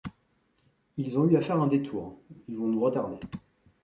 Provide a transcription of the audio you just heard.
Ils ont eu à faire un détour... ils vont nous retarder...